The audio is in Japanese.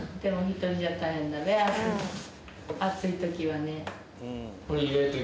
暑い時はね。